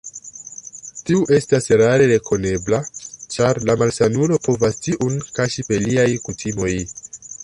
Tiu estas rare rekonebla, ĉar la malsanulo povas tiun kaŝi per liaj kutimoj.